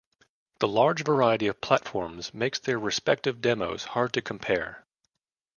The large variety of platforms makes their respective demos hard to compare.